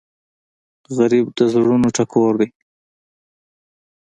غریب د زړونو ټکور دی